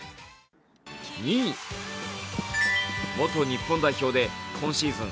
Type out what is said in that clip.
２位、元日本代表で、今シーズン